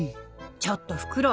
ちょっとフクロウ！